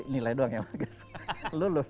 nilai doang ya bagus